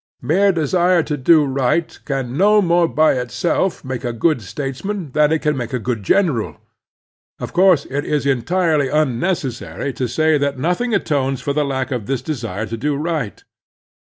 Mere desire to do right can no more by itself make a good statesman than it can make a good general. Of course it is entirely tmnecessary to say that nothing atones for the lack of this desire to do right.